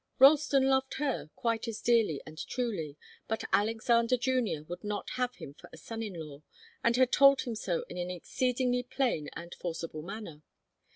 Ralston loved her quite as dearly and truly, but Alexander Junior would not have him for a son in law, and had told him so in an exceedingly plain and forcible manner.